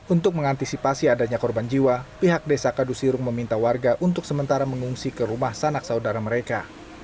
untuk mengantisipasi adanya korban jiwa pihak desa kadusirung meminta warga untuk sementara mengungsi ke rumah sanak saudara mereka